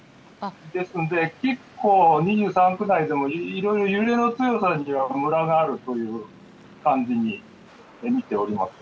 ですので結構２３区内でもいろいろ揺れの強さにはムラがあるという感じで見ておりました。